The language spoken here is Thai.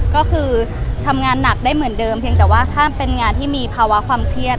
ก็คือทำงานหนักได้เหมือนเดิมเพียงแต่ว่าถ้าเป็นงานที่มีภาวะความเครียด